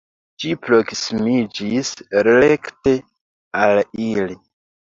Ĝi proksimiĝis rekte al ili.